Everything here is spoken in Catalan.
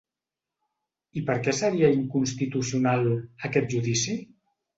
I per què seria inconstitucional, aquest judici?